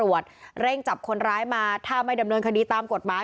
เร่งจับคนร้ายมาถ้าไม่ดำเนินคดีตามกฎหมาย